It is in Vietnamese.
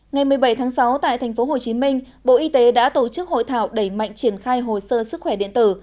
ngày một mươi bảy tháng sáu tại tp hcm bộ y tế đã tổ chức hội thảo đẩy mạnh triển khai hồ sơ sức khỏe điện tử